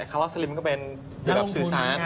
คำว่าสลิมก็เป็นที่แบบสื่อสาร